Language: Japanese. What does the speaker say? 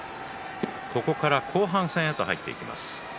ここから後半戦へと入っていきます。